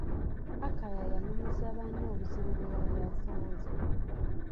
Akaya yanyumiza banne obuzibu bwe yali asanze!